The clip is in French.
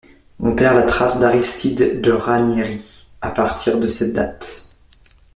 On perd la trace d'Aristide De Ranieri à partir de cette date.